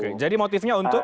oke jadi motifnya untuk